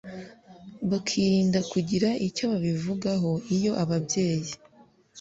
bakirinda kugira icyo babivugaho Iyo ababyeyi